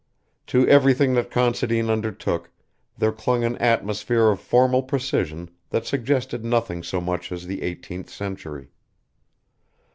To everything that Considine undertook there clung an atmosphere of formal precision that suggested nothing so much as the eighteenth century.